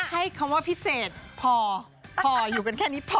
ให้คำว่าพิเศษพออยู่กันแค่นี้พอ